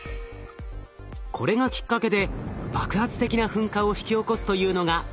これがきっかけで爆発的な噴火を引き起こすというのが定説でした。